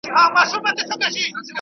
کله چي واښه په اور کي واچول سي سوځي.